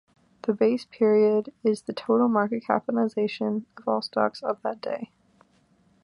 The Base Period is the total market capitalization of all stocks of that day.